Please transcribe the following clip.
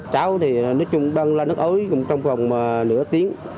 tráo thì nói chung băng lên nước ối cũng trong vòng nửa tiếng